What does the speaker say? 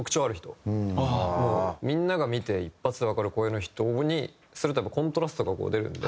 みんなが見て一発でわかる声の人にするとやっぱコントラストが出るんで。